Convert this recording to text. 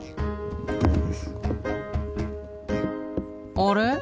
あれ？